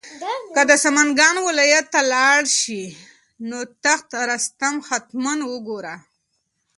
که د سمنګان ولایت ته لاړ شې نو تخت رستم حتماً وګوره.